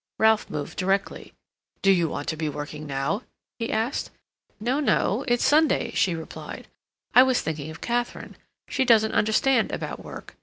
Ralph moved directly. "Do you want to be working now?" he asked. "No, no. It's Sunday," she replied. "I was thinking of Katharine. She doesn't understand about work.